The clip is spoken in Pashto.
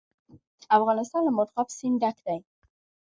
افغانستان له مورغاب سیند ډک دی.